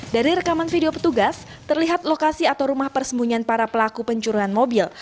dari rekaman video petugas terlihat lokasi atau rumah persembunyian para pelaku pencurian mobil